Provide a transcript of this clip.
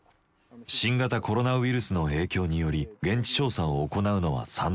新型コロナウイルスの影響により現地調査を行うのは３年ぶり。